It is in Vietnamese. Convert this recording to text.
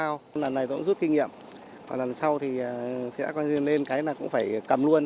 lần này tôi cũng rút kinh nghiệm lần sau thì sẽ có nên cái là cũng phải cầm luôn